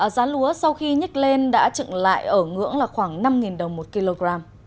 giá lúa sau khi nhích lên đã trựng lại ở ngưỡng khoảng năm đồng một kg